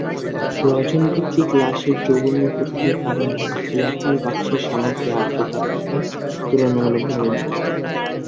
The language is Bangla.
রজন-ভিত্তিক লাশের দ্রবণীয় প্রকৃতির কারণে, লেখার বাক্সের সামগ্রী আর্দ্রতা থেকে তুলনামূলকভাবে নিরাপদ।